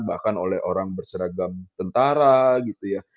bahkan oleh orang berseragam tentara gitu ya